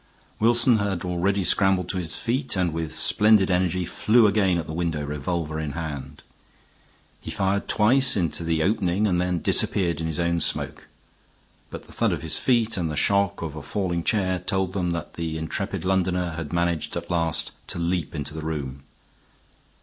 Wilson had already scrambled to his feet and with splendid energy flew again at the window, revolver in hand. He fired twice into the opening and then disappeared in his own smoke; but the thud of his feet and the shock of a falling chair told them that the intrepid Londoner had managed at last to leap into the room.